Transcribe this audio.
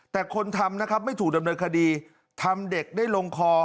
แต่คนทำนะครับไม่ถูกดำเนินคดีทำเด็กได้ลงคอ